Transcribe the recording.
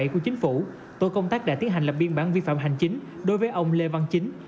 một trăm một mươi bảy của chính phủ tổ công tác đã tiến hành làm biên bản vi phạm hành chính đối với ông lê văn chính